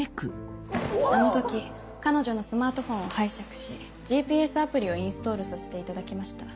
あの時彼女のスマートフォンを拝借しＧＰＳアプリをインストールさせていただきました。